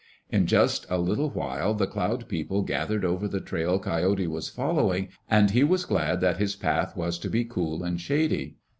In just a little while the Cloud People gathered over the trail Coyote was following and he was glad that his path was to be cool and shady.